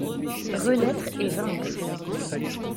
Renaître et vaincre